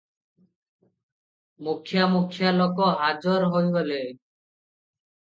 ମୁଖ୍ୟା ମୁଖ୍ୟା ଲୋକ ହାଜର ହୋଇଗଲେ ।